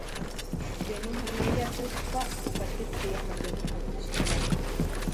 Teʼ mäjameya täjtspa ʼuka tyäkpäʼyajpa teʼ mäjakujtyaʼm.